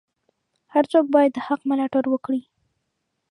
هر څوک باید د حق ملاتړ وکړي.